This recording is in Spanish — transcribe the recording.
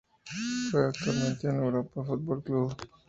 Juega actualmente en la Europa Football Club.